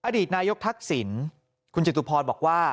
อดีตนายกทักษิณคุณจิตุพรบอกว่า